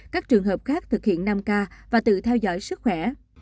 các trường hợp khác thực hiện năm k và tự theo dõi sức khỏe